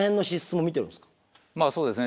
まあそうですね。